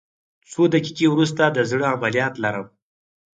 څو دقیقې وروسته د زړه عملیات لرم